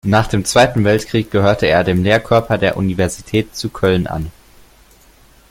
Nach dem Zweiten Weltkrieg gehörte er dem Lehrkörper der Universität zu Köln an.